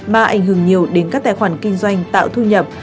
mà ảnh hưởng nhiều đến các tài khoản kinh doanh tạo thu nhập